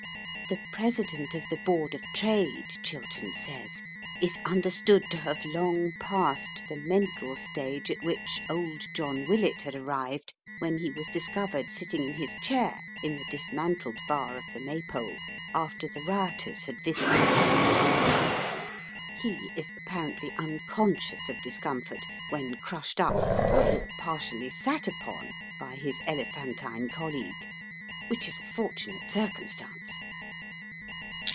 The President of the Board of Trade, Chiltern says, is understood to have long passed the mental stage at which old John Willet had arrived when he was discovered sitting in his chair in the dismantled bar of the Maypole after the rioters had visited his hostelry. He is apparently unconscious of discomfort when crushed up or partially sat upon by his elephantine colleague, which is a fortunate circumstance.